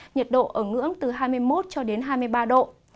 nhiệt độ ở ngưỡng từ hai mươi một cho đến hai mươi ba độ